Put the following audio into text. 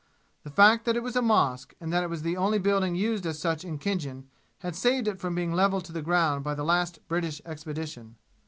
The fact that it was a mosque, and that it was the only building used as such in Khinjan, had saved it from being leveled to the ground by the last British expedition.